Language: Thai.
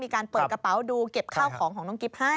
มีการเปิดกระเป๋าดูเก็บข้าวของของน้องกิฟต์ให้